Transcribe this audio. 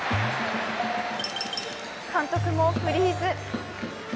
監督もフリーズ。